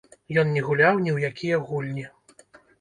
Ён не гуляў ні ў якія гульні.